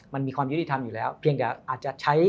มันมีความยุติธรรมอยู่แล้วเพียงแต่อาจจะใช้